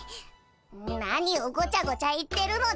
何をごちゃごちゃ言ってるのだ。